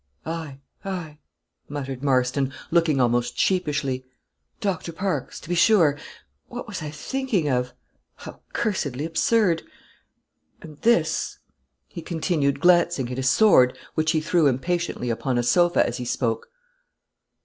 "Aye, aye," muttered Marston, looking almost sheepishly; "Doctor Parkes, to be sure. What was I thinking of? how cursedly absurd! And this," he continued, glancing at his sword, which he threw impatiently upon a sofa as he spoke.